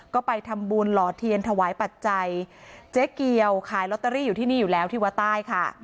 ก็ไปทำบุญหล่อเทียนถวายปัจจัยเจ๊เกียวขายลอตเตอรี่อยู่ที่นี่อยู่แล้วที่วัดใต้ค่ะ